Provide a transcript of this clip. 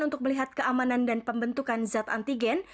untuk melihat keamanan dan pembentukan zat antigen